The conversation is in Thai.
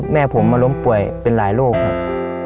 แม่ผมมาล้มป่วยเป็นหลายโรคครับ